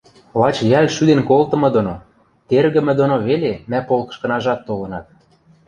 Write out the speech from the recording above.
лач йӓл шӱден колтымы доно, тергӹмӹ доно веле мӓ полкышкынажат толынат.